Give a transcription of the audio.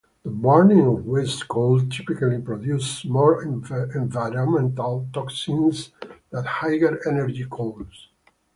The burning of waste coal typically produces more environmental toxins than higher energy coals.